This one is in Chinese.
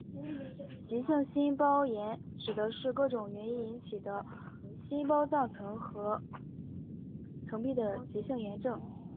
急性心包炎指的是各种原因引起的心包脏层和壁层的急性炎症。